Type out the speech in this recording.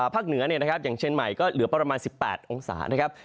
เหนืออย่างเชียงใหม่ก็เหลือประมาณ๑๘องศานะครับ